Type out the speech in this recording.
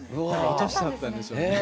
落としちゃったんでしょうね。